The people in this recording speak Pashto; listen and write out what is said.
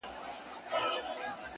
پاچا صاحبه خالي سوئ- له جلاله یې-